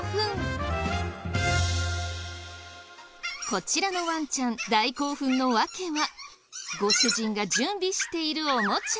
こちらのワンちゃん大興奮の訳はご主人が準備しているおもちゃ。